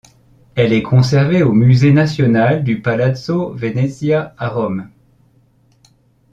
Elle est conservée au Musée national du Palazzo Venezia à Rome.